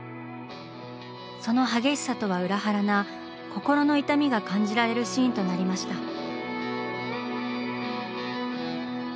その激しさとは裏腹な心の痛みが感じられるシーンとなりました。